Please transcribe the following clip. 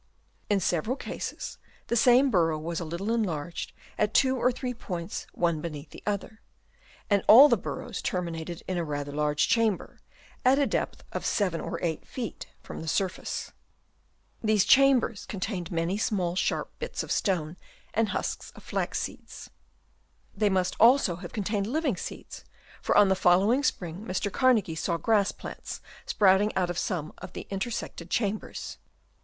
In several cases the same burrow was a little enlarged at two or three points one beneath the other ; and all the burrows ter minated in a rather large chamber, at a depth of 7 or 8 feet from the surface. These cham Chap. II. CONSTRUCTION OF THEIR BURROWS. 117 bers contained many small sharp bits of stone and husks of flax seeds. They must also have contained living seeds, for on the follow ing spring Mr. Carnagie saw grass plants sprouting out of some of the intersected chambers.